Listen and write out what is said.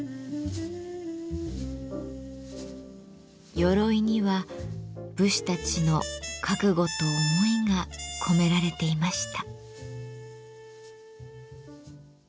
鎧には武士たちの覚悟と思いが込められていました。